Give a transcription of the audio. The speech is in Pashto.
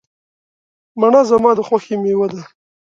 مڼه زما د خوښې مېوه ده.